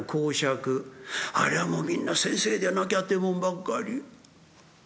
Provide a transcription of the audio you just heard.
ありゃもうみんな先生でなきゃってもんばっかり。